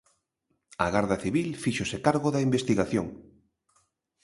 A Garda Civil fíxose cargo da investigación.